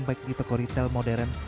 baik di toko retail modern